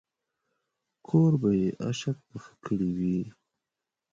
کوربه اشکې پخې کړې وې.